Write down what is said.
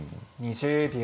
２０秒。